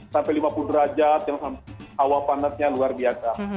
sampai lima puluh derajat yang awal panasnya luar biasa